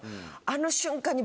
あの瞬間に。